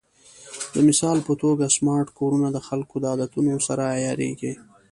د مثال په توګه، سمارټ کورونه د خلکو د عادتونو سره عیارېږي.